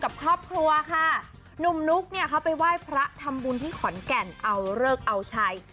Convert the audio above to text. กับครอบครัวค่ะหนุ่มนุ๊กเนี่ยเขาไปไหว้พระทำบุญที่ขอนแก่นเอาเลิกเอาชัย